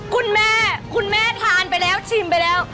คุณแม่คุณแม่ทานไปแล้วชิมไปแล้ว